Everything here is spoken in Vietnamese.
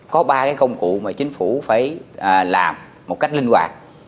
có ba cái công cụ mà chính phủ phải làm một cách linh hoạt